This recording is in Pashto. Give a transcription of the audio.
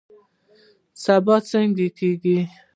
سبا څنګه کیږي؟